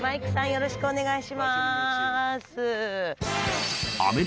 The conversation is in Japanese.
よろしくお願いします